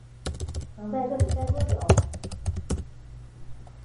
能在这里待多久